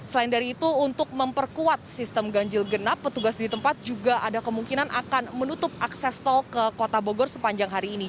selain dari itu untuk memperkuat sistem ganjil genap petugas di tempat juga ada kemungkinan akan menutup akses tol ke kota bogor sepanjang hari ini